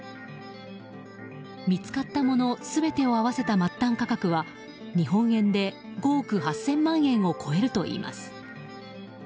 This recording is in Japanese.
見つかったもの全てを合わせた末端価格は日本円で５億８０００万円を超えるといいます。